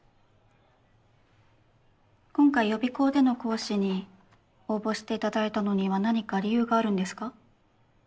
今回予備校での講師に応募していただいたのには何か理由があるんですか？